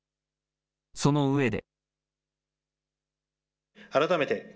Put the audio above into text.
その上で。